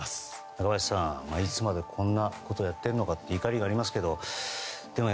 中林さんいつまでこんなことをやっているのかという怒りがありますけども。